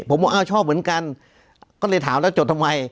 ผมบอกอ้าวชอบเหมือนกันก็เลยถามแล้วจดทำไม